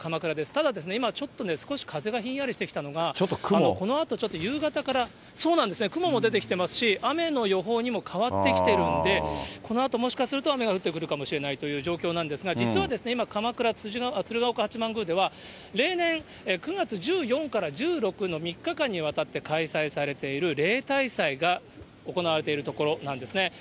ただですね、今ちょっとね、少し風がひんやりしてきたのが、このあとちょっと夕方から、雲も出てきてますし、雨の予報にも変わってきてるんで、このあともしかすると雨が降ってくるかもしれないという状況なんですが、実はですね、今、鎌倉、鶴岡八幡宮では、例年、９月１４日から１６の３日間にわたって開催されている例大祭が行われているところなんですね。